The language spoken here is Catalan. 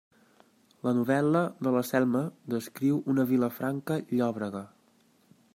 La novel·la de la Selma descriu una Vilafranca llòbrega.